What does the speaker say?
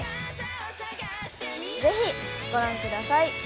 ぜひ、ご覧ください！